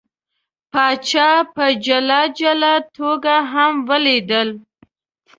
پاچا په جلا جلا توګه هم ولیدل.